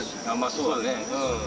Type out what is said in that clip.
そうだね。